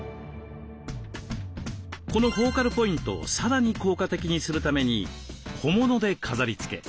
このフォーカルポイントをさらに効果的にするために小物で飾りつけ。